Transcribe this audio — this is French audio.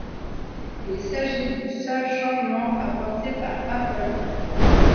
Il s'agit du seul changement apporté par Apple.